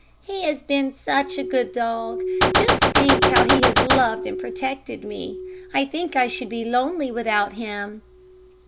"He has been such a good dog. Just think how he has loved and protected me. I think I should be lonely without him."